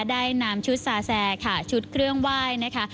ได้นำชุดซาแซค่ะชุดเครื่องไหว้นะคะ